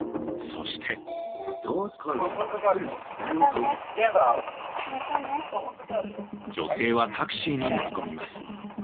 そして女性はタクシーに乗り込みます。